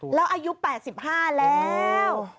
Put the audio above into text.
แล้วอายุ๘๕แล้ว